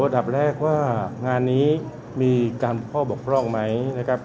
ดับแรกว่างานนี้มีการมุ่นพ่อบกล้องไหม